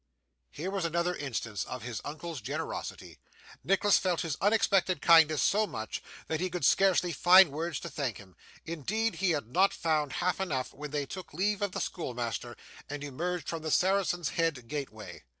Here was another instance of his uncle's generosity! Nicholas felt his unexpected kindness so much, that he could scarcely find words to thank him; indeed, he had not found half enough, when they took leave of the schoolmaster, and emerged from the Saracen's Head gateway.